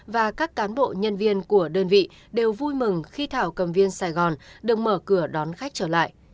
và các cán bộ nhân viên của đơn vị đều vui mừng khi thảo cầm viên sài gòn được mở cửa đón khách trở lại